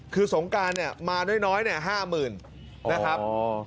คือสงการเนี่ยมาน้อยน้อยเนี่ยห้าหมื่นนะครับอ๋อ